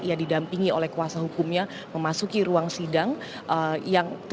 ia didampingi oleh kuasa hukumnya memasuki ruang sidang yang